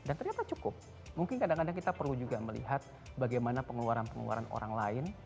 dan ternyata cukup mungkin kadang kadang kita perlu juga melihat bagaimana pengeluaran pengeluaran orang lain